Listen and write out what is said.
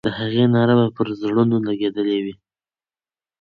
د هغې ناره به پر زړونو لګېدلې وي.